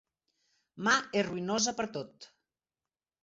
Ma és ruïnosa per a tot.